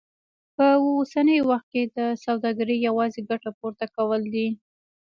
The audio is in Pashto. په اوسني وخت کې سوداګري يوازې ګټه پورته کول دي.